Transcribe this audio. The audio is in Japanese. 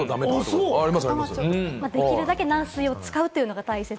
できるだけ軟水を使うことが大切。